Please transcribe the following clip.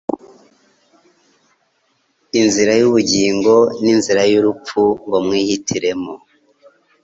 inzira y ubugingo n inzira y urupfu ngo mwihitiremo